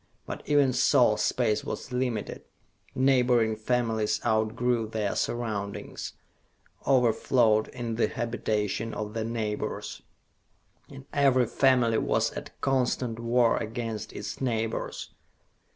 But even so, space was limited. Neighboring families outgrew their surroundings, overflowed into the habitations of their neighbors and every family was at constant war against its neighbors.